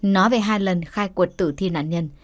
nói về hai lần khai quật tử thi nạn nhân